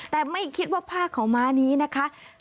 แต่ไม่คิดว่าผ้าขาวม้านี้นะคะ